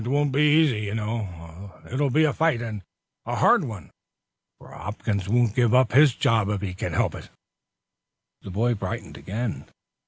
"It won't be easy, you know. It'll be a fight, and a hard one, for Hopkins won't give up his job if he can help it." The boy brightened again.